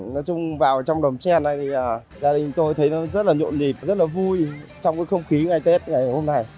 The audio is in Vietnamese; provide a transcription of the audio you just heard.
nói chung vào trong đầm sen này gia đình tôi thấy rất nhộn nhịp rất vui trong không khí ngày tết ngày hôm nay